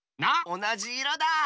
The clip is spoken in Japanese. おなじいろだ！